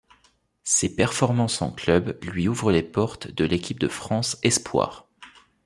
Ses performances en club lui ouvrent les portes de l'équipe de France espoirs.